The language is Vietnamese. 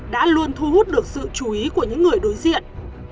đã luôn thu hút được sự chú ý của những người đối diện